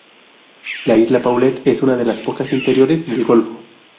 La isla Paulet es una de las pocas interiores del golfo.